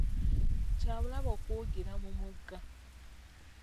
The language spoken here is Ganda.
Kya bulabe okuwugira mu mugga.